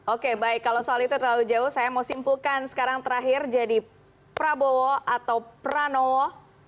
oke baik kalau soal itu terlalu jauh saya mau simpulkan sekarang terakhir jadi prabowo atau pranowo